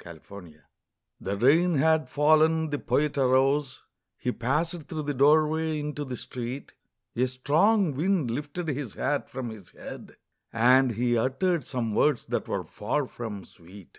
THE POET'S HAT The rain had fallen, the Poet arose, He passed through the doorway into the street, A strong wind lifted his hat from his head, And he uttered some words that were far from sweet.